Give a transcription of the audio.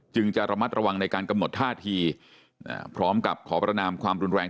จะระมัดระวังในการกำหนดท่าทีพร้อมกับขอประนามความรุนแรง